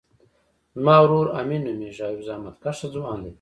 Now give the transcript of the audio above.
زما ورور امین نومیږی او یو زحمت کښه ځوان دی